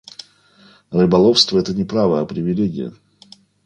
Рыболовство — это не право, а привилегия.